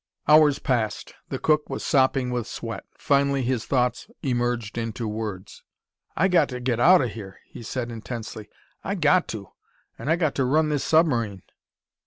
Hours passed. The cook was sopping with sweat. Finally his thoughts emerged into words. "I got to get out of here!" he said intensely. "I got to! And I got to run this submarine!"